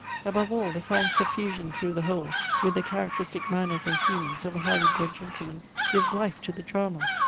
Above all, the fine suffusion through the whole, with the characteristic manners and feelings, of a highly bred gentleman gives life to the drama.